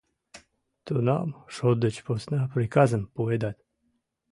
Тунам шот деч посна приказым пуэдат.